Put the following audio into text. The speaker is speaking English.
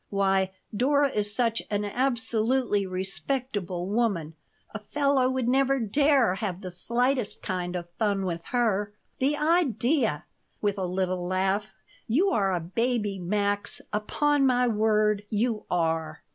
Why, Dora is such an absolutely respectable woman, a fellow would never dare have the slightest kind of fun with her. The idea!" with a little laugh. "You are a baby, Max. Upon my word, you are.